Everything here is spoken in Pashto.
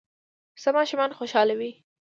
پسه ماشومان خوشحالوي.